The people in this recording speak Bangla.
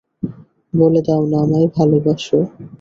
বলে দাও না, আমায় ভালোবাসো।